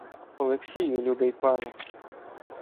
Олексію, любий пане!